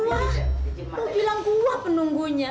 lu bilang gua penunggunya